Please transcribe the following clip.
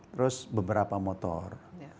terus beberapa motor